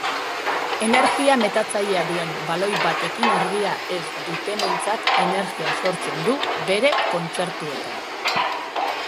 Energia metatzailea duen baloi batekin argia ez dutenentzat energia sortzen du bere kontzertuetan.